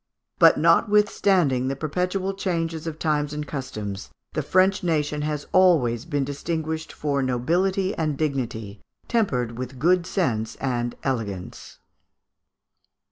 But notwithstanding the perpetual changes of times and customs, the French nation has always been distinguished for nobility and dignity, tempered with good sense and elegance.